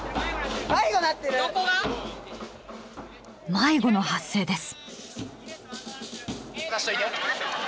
迷子の発生です！